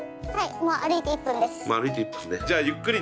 もう歩いて１分ね。